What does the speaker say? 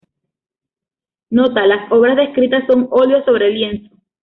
Nota: Las obras descritas son óleos sobre lienzo.